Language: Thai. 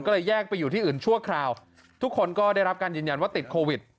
ก็เลยแยกไปอยู่ที่อื่นชั่วคราวทุกคนก็ได้รับการยืนยันว่าติดโควิด